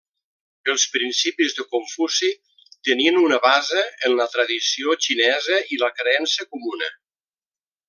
Els principis de Confuci tenien una base en la tradició xinesa i la creença comuna.